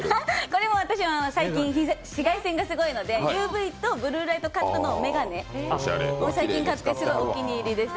これも最近、紫外線がすごいのでＵＶとブルーライトカットのめがねを最近、買って、お気に入りです。